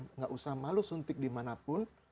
tidak perlu malu suntik di mana pun